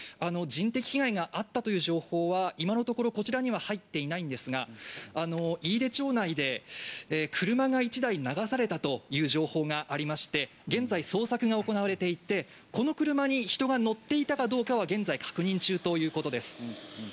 人的被害があったという情報は今のところこちらには入っていないんですが、飯豊町内で車が１台流されたという情報がありまして、現在捜索が行われていて、この車に人が乗っていたかどうかは現在確認中ということです。